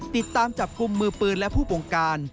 ติดตามจับกลุ่มมือปืนและผู้ปงการ